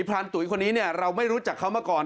รานตุ๋ยคนนี้เราไม่รู้จักเขามาก่อน